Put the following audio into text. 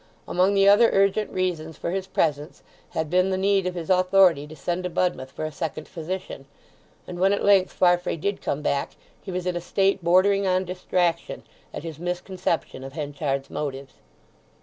Among the other urgent reasons for his presence had been the need of his authority to send to Budmouth for a second physician; and when at length Farfrae did come back he was in a state bordering on distraction at his misconception of Henchard's motives.